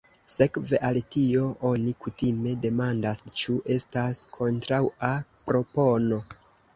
Sekve al tio oni kutime demandas, ĉu estas kontraŭa propono.